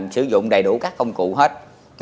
sử dụng đầy đủ các công cụ hết